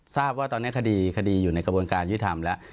ทราบว่าตอนนี้คดีคดีอยู่ในกระบวนการยุทธรรมแล้ว